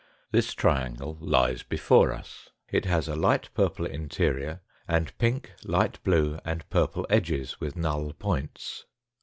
This triangle lies before us. It has a light purple interior and pink, light blue, and purple edges with null points.